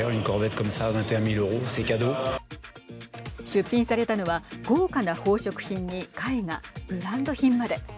出品されたのは豪華な宝飾品に絵画ブランド品まで。